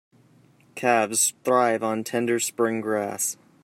Calves thrive on tender spring grass.